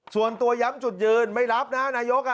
ส่วนตัวย้ำจุดยืนไม่รับนะนายก